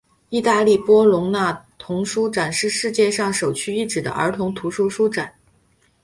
意大利波隆那童书展是世界上首屈一指的儿童图书书展。